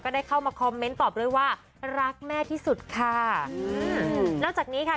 ได้เข้ามาคอมเมนต์ตอบด้วยว่ารักแม่ที่สุดค่ะอืมนอกจากนี้ค่ะ